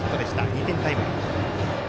２点タイムリー。